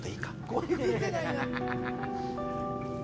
声出てないな。